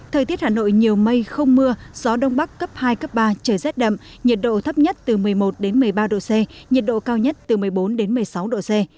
thời tiết hà nội nhiều mây không mưa gió đông bắc cấp hai cấp ba trời rét đậm nhiệt độ thấp nhất từ một mươi một một mươi ba độ c nhiệt độ cao nhất từ một mươi bốn một mươi sáu độ c